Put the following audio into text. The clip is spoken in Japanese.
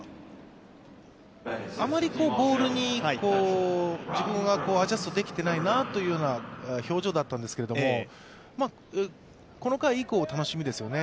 あまりボールに自分がアジャストできてないなというような表情だったんですけど、この回以降楽しみですよね。